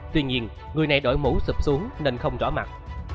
tuy nhiên người này đội mũ sụp xuống nên không rõ mặt